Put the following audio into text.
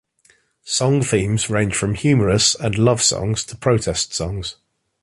Song themes range from humorous and love songs to protest songs.